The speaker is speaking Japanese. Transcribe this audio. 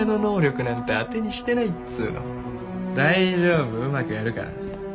大丈夫うまくやるから。